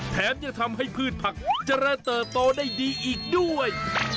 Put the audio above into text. แถมยังทำให้พืชผักเจริญเติบโตได้ดีอีกด้วย